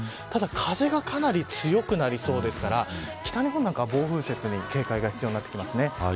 ただ、風がかなり強くなりそうですから北日本なんかは暴風雪に警戒が必要になってきます。